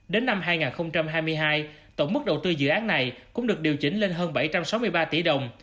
đến năm hai nghìn hai mươi hai tổng mức đầu tư dự án này cũng được điều chỉnh lên hơn bảy trăm sáu mươi ba tỷ đồng